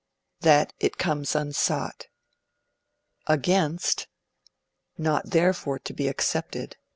That it comes unsought. 1. Not therefore to be accepted.